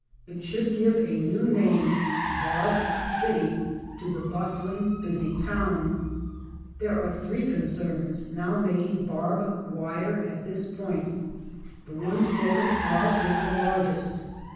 It should give a new name, "Barb City," to the bustling, busy town. There are three concerns now making barb wire at this point. The one spoken of is the largest.